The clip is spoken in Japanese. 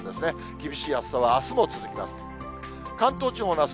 厳しい暑さはあすも続きます。